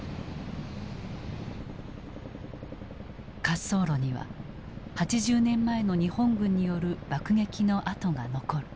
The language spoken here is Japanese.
滑走路には８０年前の日本軍による爆撃の痕が残る。